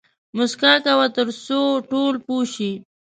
موسکا کوه تر څو ټول پوه شي